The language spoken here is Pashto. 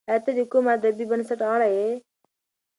ایا ته د کوم ادبي بنسټ غړی یې؟